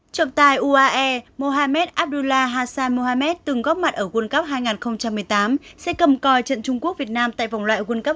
trọng tài uae mohammed abdullah hassan mohammed từng góp mặt ở world cup hai nghìn một mươi tám sẽ cầm coi trận trung quốc việt nam tại vòng loại world cup hai nghìn hai mươi hai